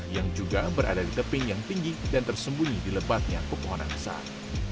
yang juga berada di teping yang tinggi dan tersembunyi di lebatnya pepohonan besar